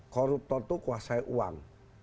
korupto itu kuasa uang